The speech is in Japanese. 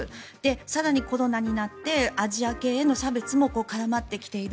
更にコロナになってアジア系への差別も絡まってきている。